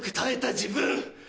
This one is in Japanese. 自分。